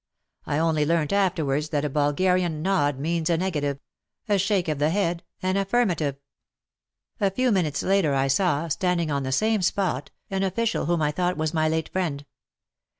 I only learnt afterwards that a Bulgarian nod means a negative — a shake of the head an affirmative ! A few minutes later I saw, standing on the same spot, an official whom I thought was my late friend.